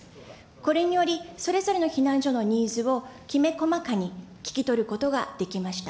これにより、それぞれの避難所のニーズを、きめ細かに聞き取ることができました。